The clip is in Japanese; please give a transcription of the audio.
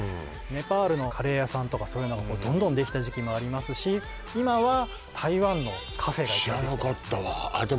ネパールのカレー屋さんとかそういうのがどんどんできた時期もありますし今は台湾のカフェがいっぱいできてますね